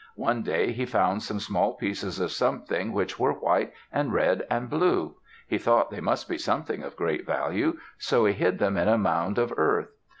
One day he found some small pieces of something which were white, and red, and blue. He thought they must be something of great value, so he hid them in a mound of earth.